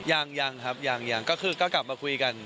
ยังยังครับยังก็คือก็กลับมาคุยกัน